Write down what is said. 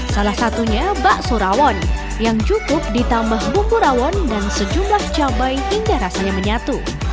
salah satunya bakso rawon yang cukup ditambah bumbu rawon dan sejumlah cabai hingga rasanya menyatu